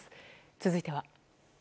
続いては。